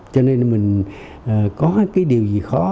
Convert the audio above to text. cho nên mình có cái điều gì khó